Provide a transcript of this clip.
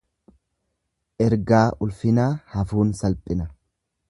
Ergaa ulfinaa hafuun salphina.